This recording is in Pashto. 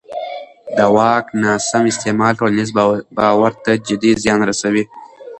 د واک ناسم استعمال ټولنیز باور ته جدي زیان رسوي